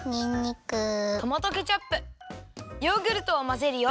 トマトケチャップヨーグルトをまぜるよ。